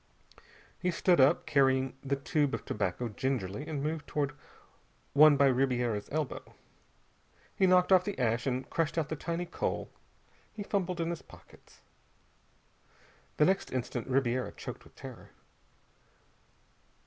He stood up, carrying the tube of tobacco gingerly, and moved toward one by Ribiera's elbow. He knocked off the ash, and crushed out the tiny coal. He fumbled in his pockets. The next instant Ribiera choked with terror.